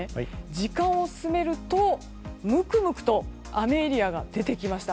時間を進めると、むくむくと雨エリアが出てきました。